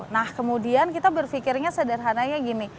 nah kemudian kita berpikirnya sederhananya gini